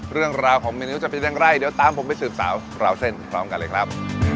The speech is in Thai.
เรื่องราวของเมนูจะเป็นอย่างไรเดี๋ยวตามผมไปสืบสาวราวเส้นพร้อมกันเลยครับ